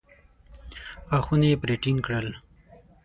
غاښونه يې پرې ټينګ کړل.